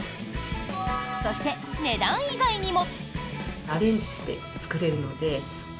そして、値段以外にも。